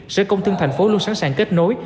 sở công thương thành phố luôn sẵn sàng kết nối